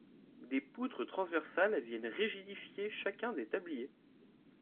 Des poutres transversales viennent rigidifier chacun des tabliers.